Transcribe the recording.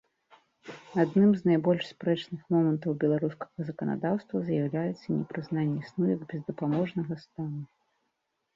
Адным з найбольш спрэчных момантаў беларускага заканадаўства з'яўляецца непрызнанне сну як бездапаможнага стану.